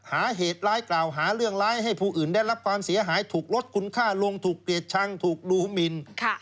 เหตุร้ายกล่าวหาเรื่องร้ายให้ผู้อื่นได้รับความเสียหายถูกลดคุณค่าลงถูกเกลียดชังถูกดูหมิน